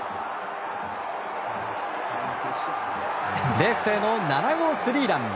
レフトへの７号スリーラン。